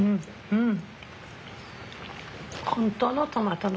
うん。